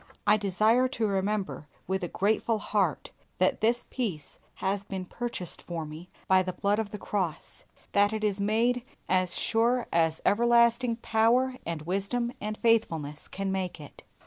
I desire to remember with a grateful heart that this peace has been purchased for me by the blood of the cross that it is made as sure as everlasting power and wisdom and faithfulness can make it.